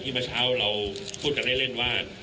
คุณผู้ชมไปฟังผู้ว่ารัฐกาลจังหวัดเชียงรายแถลงตอนนี้ค่ะ